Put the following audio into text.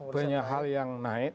banyak hal yang naik